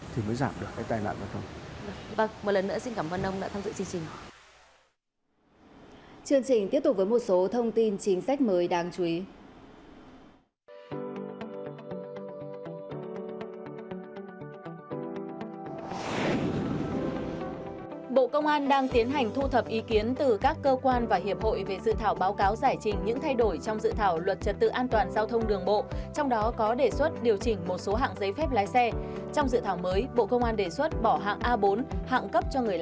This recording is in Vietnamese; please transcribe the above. thì mới giảm được cái tai nạn giao thông